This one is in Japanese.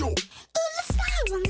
うるさいわね